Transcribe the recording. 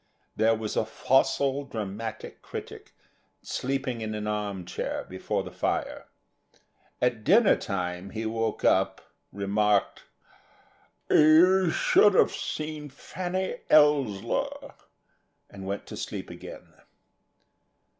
There was a fossil dramatic critic sleeping in an arm chair before the fire. At dinner time he woke up, remarked: "You should have seen Fanny Ellsler," and went to sleep again.